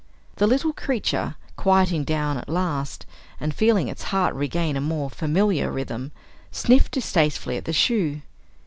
The little creature, quieting down at last and feeling its heart regain a more familiar rhythm, sniffed distastefully at the shoe.